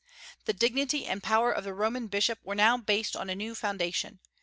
The dignity and power of the Roman bishop were now based on a new foundation.